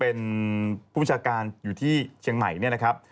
เป็นผู้ประชาการอยู่ที่เชียงใหม่เนี่ยนะครับ